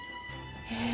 へえ！